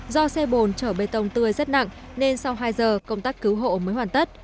do xe bồn chở bê tông tươi rất nặng nên sau hai giờ công tác cứu hộ mới hoàn tất